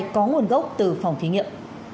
có nguồn gốc từ phòng thí nghiệm